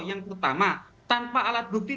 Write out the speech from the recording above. yang pertama tanpa alat bukti